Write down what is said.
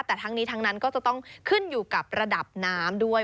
แต่ทั้งนี้ทั้งนั้นก็จะต้องขึ้นอยู่กับระดับน้ำด้วย